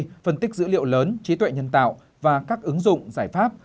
phân tích dữ liệu lớn trí tuệ nhân tạo và các ứng dụng giải pháp